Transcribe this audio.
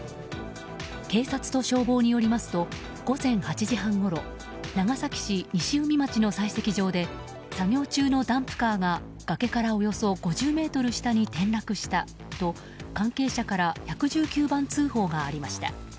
警察と消防によりますと午前８時半ごろ長崎市西海町の砕石場で作業中のダンプカーが、崖からおよそ５０ｍ下に転落したと関係者から１１９番通報がありました。